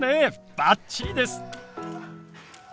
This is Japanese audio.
バッチリです！